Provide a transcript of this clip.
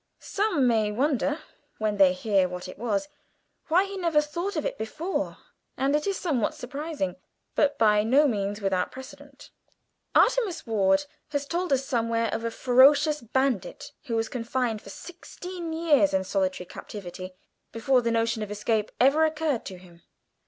Some may wonder, when they hear what it was, why he never thought of it before, and it is somewhat surprising, but by no means without precedent. Artemus Ward has told us somewhere of a ferocious bandit who was confined for sixteen years in solitary captivity, before the notion of escape ever occurred to him.